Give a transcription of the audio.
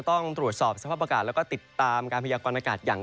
ต้องตรวจสอบสภาพอากาศแล้วก็ติดตามการพยากรณากาศอย่าง